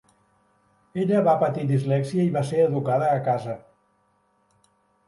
Ella va patir dislèxia i va ser educada a casa.